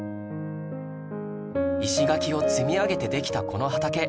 石垣を積み上げてできたこの畑